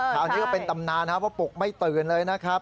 คราวนี้ก็เป็นตำนานนะครับเพราะปลุกไม่ตื่นเลยนะครับ